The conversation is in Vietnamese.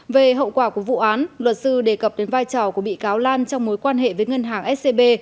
về hậu quả của vụ án luật sư đề cập đến vai trò của bị cáo lan trong mối quan hệ với ngân hàng scb